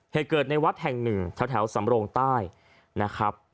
เหตุเกิดในวัดแห่งหนึ่งแถวสำโรงใต้นะครับ